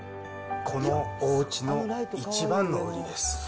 このおうちの一番の売りです。